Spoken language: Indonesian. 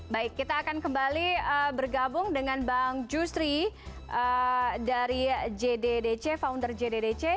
baik kita akan kembali bergabung dengan bang justri dari jddc founder jddc